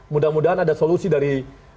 mudah mudahan ada solusi dari